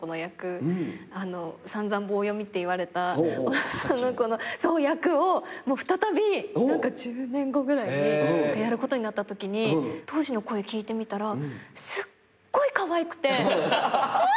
散々棒読みって言われたその子の役を再び１０年後ぐらいにやることになったときに当時の声聞いてみたらすっごいかわいくて何！？